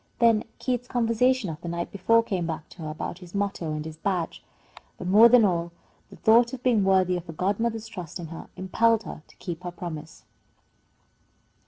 Then Keith's conversation of the night before came back to her about his motto and his badge. But more than all, the thought of being worthy of her godmother's trust in her impelled her to keep her promise.